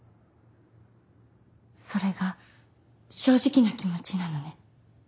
それが正直な気持ちなのね。